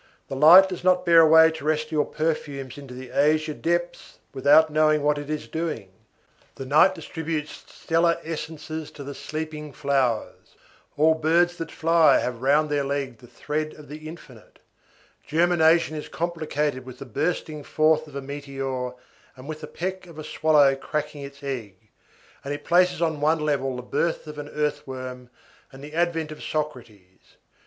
The light does not bear away terrestrial perfumes into the azure depths, without knowing what it is doing; the night distributes stellar essences to the sleeping flowers. All birds that fly have round their leg the thread of the infinite. Germination is complicated with the bursting forth of a meteor and with the peck of a swallow cracking its egg, and it places on one level the birth of an earthworm and the advent of Socrates.